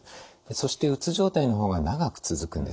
そしてうつ状態の方が長く続くんですね。